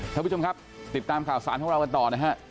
ท่านผู้ชมครับติดตามข่าวสารของเรากันต่อนะฮะ